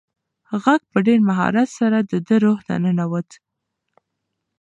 غږ په ډېر مهارت سره د ده روح ته ننووت.